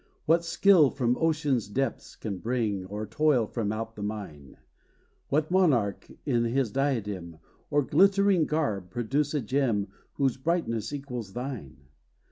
What skill from ocean's depths can bring, Or toil from out the mine What monarch in his diadem, Or glittering garb, produce a gem, Whose brightness equals thine?